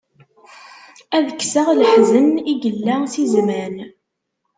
Ad kkseɣ leḥzen, i yella si zzman.